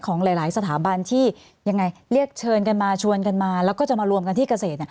ของหลายสถาบันที่ยังไงเรียกเชิญกันมาชวนกันมาแล้วก็จะมารวมกันที่เกษตร